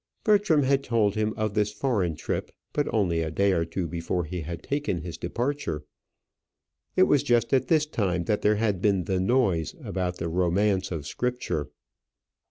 Bertram had told him of this foreign trip, but only a day or two before he had taken his departure. It was just at this time that there had been the noise about the "Romance of Scripture."